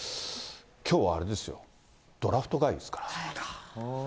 きょうはあれですよ、ドラフト会議ですから。